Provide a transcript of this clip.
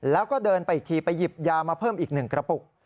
แล้วก็เดินไปอีกทีไปหยิบยามาเพิ่มอีก๑กระปุก